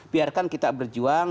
biarkan kita berjuang